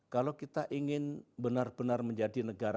kalau kita ingin benar benar menjadi negara